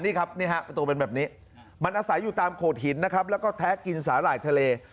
นี่ครับนี่ฮะประตูเป็นแบบนี้มันอาศัยอยู่ตามโขดหินนะครับแล้วก็แท้กินสาหร่ายทะเล